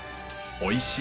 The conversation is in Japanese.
おいしい。